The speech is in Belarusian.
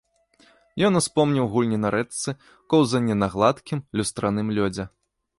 Ён успомніў гульні на рэчцы, коўзанне па гладкім, люстраным лёдзе.